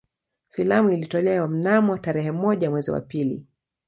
Filamu ilitolewa mnamo tarehe moja mwezi wa pili